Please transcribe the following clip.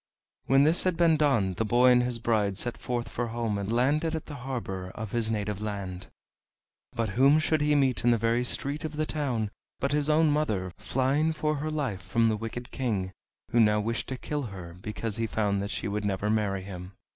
When this had been done the boy and his bride set forth for home, and landed at the harbor of his native land. But whom should he meet in the very street of the town but his own mother, flying for her life from the wicked King, who now wished to kill her because he found that she would never marry him!